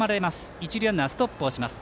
一塁ランナー、ストップをします。